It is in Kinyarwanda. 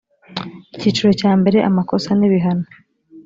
icyiciro cya mbere amakosa n ibihano